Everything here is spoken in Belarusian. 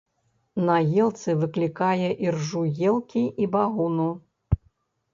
На елцы выклікае іржу елкі і багуну.